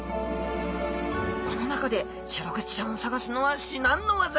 この中でシログチちゃんを探すのは至難のワザ。